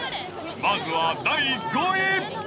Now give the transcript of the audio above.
まずは第５位。